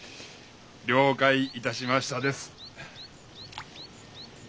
了解いたしましたです。